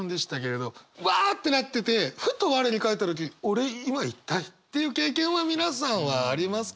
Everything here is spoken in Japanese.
うわってなっててふと我に返った時「俺今一体」っていう経験は皆さんはありますか？